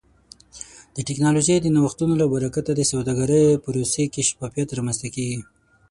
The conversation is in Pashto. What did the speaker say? د ټکنالوژۍ د نوښتونو له برکته د سوداګرۍ پروسې کې شفافیت رامنځته کیږي.